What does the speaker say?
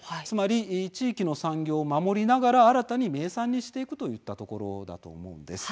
地域の産業を守りながら新たな名産にしていくといったところだと思うんです。